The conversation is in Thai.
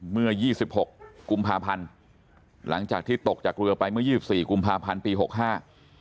ยี่สิบหกกุมภาพันธ์หลังจากที่ตกจากเรือไปเมื่อยี่สิบสี่กุมภาพันธ์ปีหกห้า